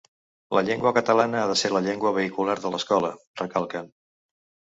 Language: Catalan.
“La llengua catalana ha de ser la llengua vehicular de l’escola”, recalquen.